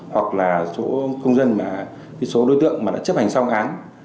hoặc là số công dân số đối tượng mà đã chấp hành xong án